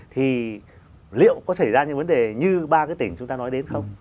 thì liệu có xảy ra những vấn đề như ba cái tỉnh chúng ta nói đến không